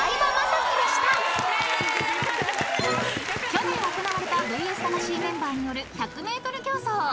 ［去年行われた『ＶＳ魂』メンバーによる１００ｍ競走］